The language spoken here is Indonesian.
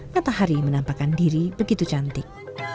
matahari menampakkan diri begitu cantik